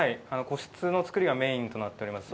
個室の造りがメインとなっております。